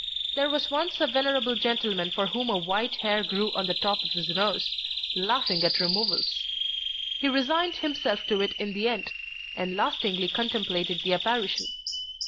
There was once a venerable gentleman for whom a white hair grew on the cop of his nose, laughing at removals. He resigned himself to it in the end, and lastingly contemplated the apparition.